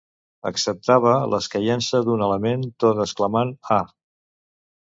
Acceptava l'escaiença d'un element tot exclamant “ah”.